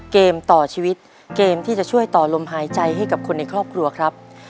เกมต่อชีวิตเกมที่จะช่วยต่อลมหายใจให้กับคนในครอบครัวครับ